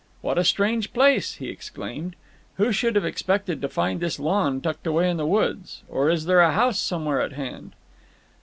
"What a strange place!" he exclaimed. "Who would have expected to find this lawn tucked away in the woods. Or is there a house somewhere at hand?"